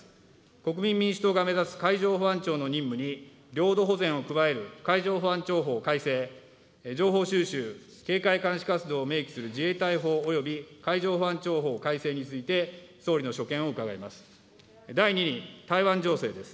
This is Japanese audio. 国民民主党が目指す海上保安庁の任務に領土保全を加える海上保安庁法改正、情報収集・警戒監視活動を明記する自衛隊法および海上保安庁法改正について、総理の所見を伺います。